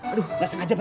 aduh ga sengaja bang